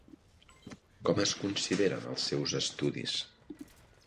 Com es consideren els seus estudis?